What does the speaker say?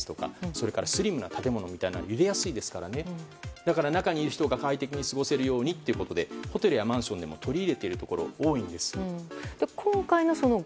それからスリムな建物は揺れやすいですからだから、中にいる人が快適に過ごせるようにとホテルやマンションに取り入れているところが多いんです。